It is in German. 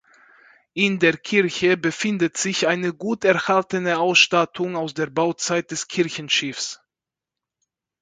In der Kirche befindet sich eine gut erhaltene Ausstattung aus der Bauzeit des Kirchenschiffs.